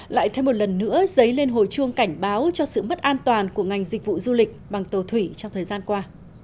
lại thêm một lần nữa giấy lên hồi chuông cảnh báo cho sự mất an toàn của ngành dịch vụ du lịch bằng tàu thủy trong thời gian qua